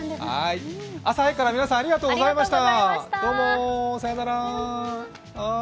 朝早くから皆さんありがとうございました。